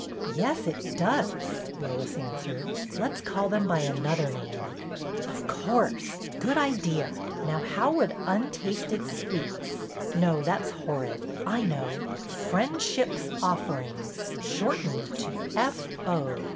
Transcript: ''Yes, it does," Lois answered. "Let's call them by some other name." " Of course ! Good idea ! Now, how would Untasted Sweets — no, that 's horrid. I know ! Friendship's Offerings, shortened to F. O."